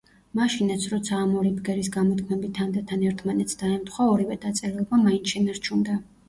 მაშინაც, როცა ამ ორი ბგერის გამოთქმები თანდათან ერთმანეთს დაემთხვა, ორივე დაწერილობა მაინც შენარჩუნდა.